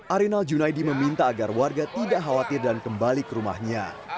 arinal junaidi meminta agar warga tidak khawatir dan kembali ke rumahnya